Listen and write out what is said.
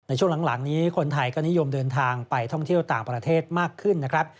ในช่วงหลังนี้คนไทยก็นิยมเดินทางไปท่องเที่ยวต่างประเทศมากขึ้นนะครับ